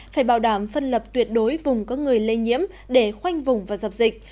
phải bảo đảm phân lập tuyệt đối vùng có người lây nhiễm để khoanh vùng và dập dịch